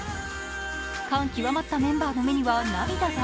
感極まったメンバーの目には涙が。